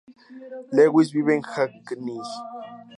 Lewis vive en Hackney.